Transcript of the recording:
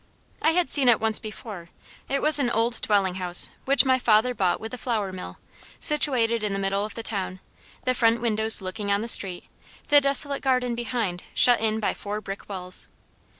I had seen it once before; it was an old dwelling house, which my father bought with the flour mill, situated in the middle of the town, the front windows looking on the street, the desolate garden behind shut in by four brick walls.